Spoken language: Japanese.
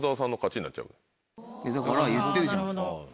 だから言ってるじゃん。